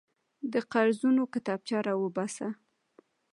د قرضونو کتابچه راوباسه.